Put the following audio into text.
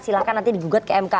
silahkan nanti digugat ke mk